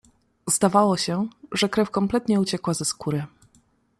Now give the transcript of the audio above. "Zdawało się, że krew kompletnie uciekła ze skóry."